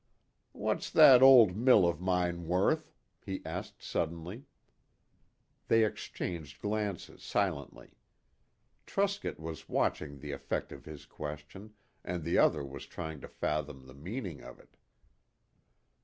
"What's that old mill of mine worth?" he asked suddenly. They exchanged glances silently. Truscott was watching the effect of his question, and the other was trying to fathom the meaning of it.